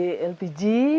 wah kompor sendiri